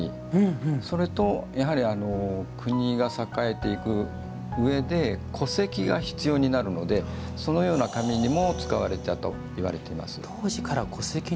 それと、国が栄えていくうえで戸籍が必要になるのでそのような、紙にも使われたといわれています。